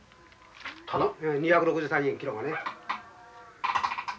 ２６３円キロがね。